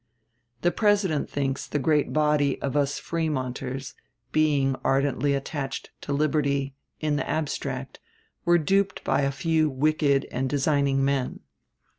The President thinks the great body of us Frémonters, being ardently attached to liberty, in the abstract, were duped by a few wicked and designing men.